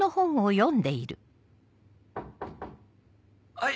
はい。